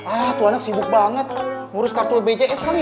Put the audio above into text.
ah tuh anak sibuk banget ngurus kartu bjs kali